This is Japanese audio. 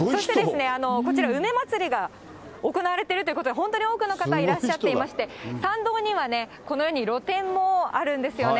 こちら、梅まつりが行われているということもあって、本当に多くの方いらっしゃっていまして、参道には、このように露店もあるんですよね。